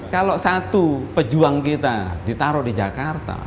kalau satu pejuang kita ditaruh di jakarta